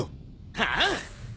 ああ！